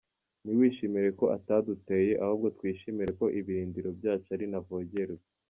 Ntiwishimire ko ataduteye, ahubwo twishimire ko ibirindiro byacu ari ntavogerwa.”